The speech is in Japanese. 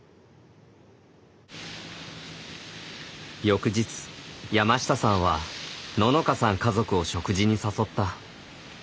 翌日山下さんはののかさん家族を食事に誘った。